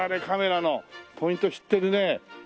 カメラのポイント知ってるね。